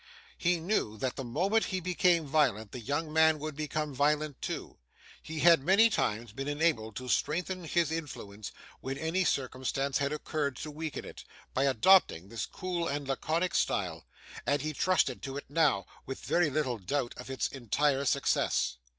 He knew that the moment he became violent, the young man would become violent too. He had, many times, been enabled to strengthen his influence, when any circumstance had occurred to weaken it, by adopting this cool and laconic style; and he trusted to it now, with very little doubt of its entire success.